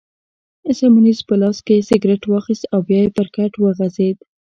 سیمونز په لاس کي سګرېټ واخیست او بیا پر کټ وغځېد.